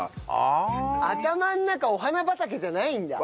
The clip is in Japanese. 「頭の中お花畑」じゃないんだ。